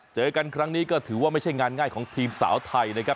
เจอกันครั้งนี้ก็ถือว่าไม่ใช่งานง่ายของทีมสาวไทยนะครับ